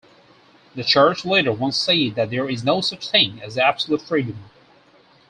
The Church leader once said that there is no such thing as absolute freedom.